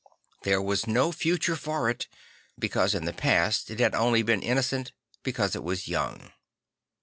There was no future for it; because in the past it had only been innocent because it was young.